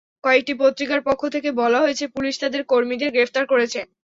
কয়েকটি পত্রিকার পক্ষ থেকে বলা হয়েছে, পুলিশ তাদের কর্মীদের গ্রেপ্তার করেছে।